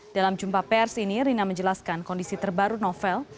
dalam jumpa pers ini rina menjelaskan kondisi terbaru novel